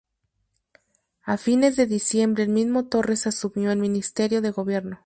A fines de diciembre el mismo Torres asumió el ministerio de gobierno.